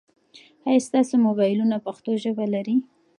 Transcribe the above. آیا ستاسو موبایلونه پښتو ژبه لري؟